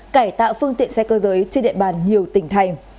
cải tạo phương tiện xe cơ giới trên địa bàn nhiều tỉnh thành